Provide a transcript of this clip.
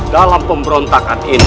dalam pemberontakan ini